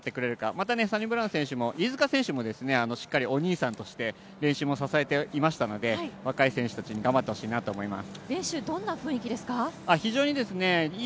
またサニブラウン選手も、飯塚選手もしっかりお兄さんとして練習も支えていましたので若い選手たちに頑張ってほしいなと思います。